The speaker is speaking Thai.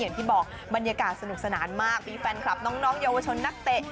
อย่างที่บอกบรรยากาศสนุกสนานมากมีแฟนคลับน้องเยาวชนนักเตะ